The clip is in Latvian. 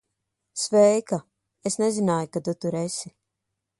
Sveika. Es nezināju, ka tu tur esi.